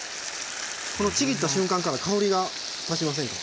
このちぎった瞬間から香りが立ちませんか？